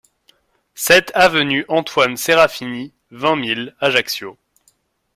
sept avenue Antoine Serafini, vingt mille Ajaccio